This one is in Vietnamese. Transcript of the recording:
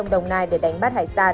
đồng nai để đánh bắt hải sản